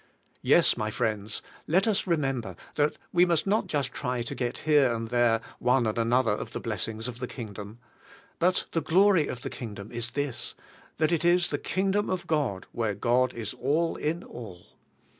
Yes, my friends, let us remember that we must not just try to get here and there one and another of the blessings of the Kingdom. But the glory of the Kingdom is this: that it is the Kingdom of God where God is all in all.